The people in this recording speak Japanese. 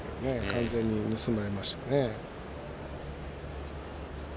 完全に盗まれましたね。